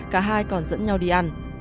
cả hai còn dẫn nhau đi ăn